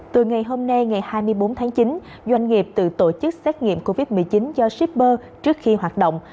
từ ngày hôm nay ngày hai mươi bốn tháng chín doanh nghiệp tự tổ chức xét nghiệm covid một mươi chín do shipper trước khi hoạt động